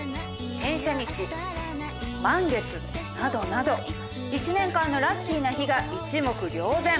天赦日満月などなど一年間のラッキーな日が一目瞭然！